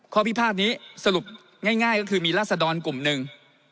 ข้อพิพาทนี้สรุปง่ายก็คือมีราศดรกลุ่มหนึ่ง